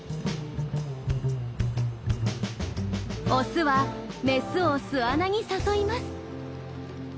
オスはメスを巣穴に誘います。